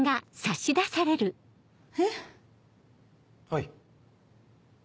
はい。